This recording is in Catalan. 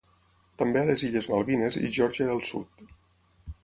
També a les illes Malvines i Geòrgia del Sud.